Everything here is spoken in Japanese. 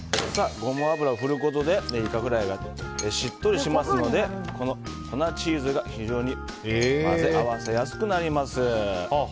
ゴマ油を振ることでイカフライがしっとりしますので粉チーズが非常に混ぜ合わせやすくなります。